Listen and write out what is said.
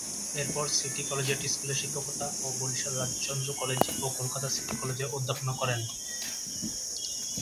এরপর city collegiate স্কুলে শিক্ষকতা ও বরিশাল রাজচন্দ্র কলেজ ও কলকাতার সিটি কলেজে অধ্যাপনা করেন।